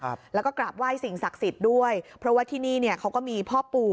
ครับแล้วก็กราบไหว้สิ่งศักดิ์สิทธิ์ด้วยเพราะว่าที่นี่เนี้ยเขาก็มีพ่อปู่